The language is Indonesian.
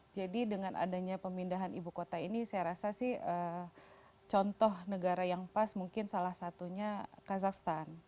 jadi dengan adanya pemindahan ibu kota ini saya rasa sih contoh negara yang pas mungkin salah satunya kazakhstan